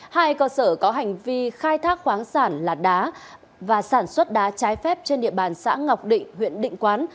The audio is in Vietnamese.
hai cơ sở có hành vi khai thác khoáng sản là đá và sản xuất đá trái phép trên địa bàn xã ngọc định huyện định quán